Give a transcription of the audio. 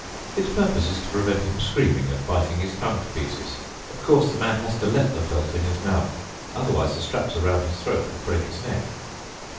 Its purpose is to prevent him screaming and biting his tongue to pieces. Of course, the man has to let the felt in his mouth—otherwise the straps around his throat would break his neck."